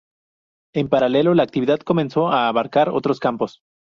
En paralelo, la actividad comenzó a abarcar otros campos.